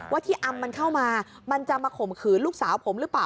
ว่าที่อำมันเข้ามามันจะมาข่มขืนลูกสาวผมหรือเปล่า